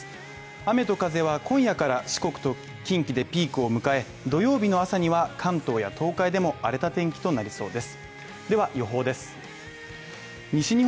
雨と風は今夜から四国と近畿でピークを迎え土曜日の朝には関東や東海でも荒れた天気となりそうです。